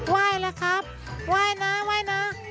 ไว้นะครับไว้นะไว้นะ